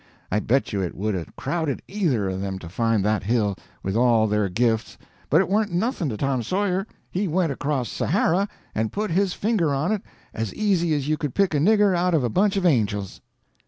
I bet you it would 'a' crowded either of them to find that hill, with all their gifts, but it warn't nothing to Tom Sawyer; he went across Sahara and put his finger on it as easy as you could pick a nigger out of a bunch of angels.